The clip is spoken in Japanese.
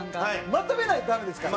まとめないとダメですから。